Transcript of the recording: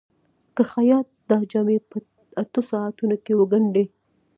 که خیاط دا جامې په اتو ساعتونو کې وګنډي.